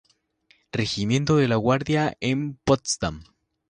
Regimiento de la Guardia en Potsdam.